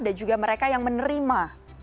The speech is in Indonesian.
dan juga mereka yang menerima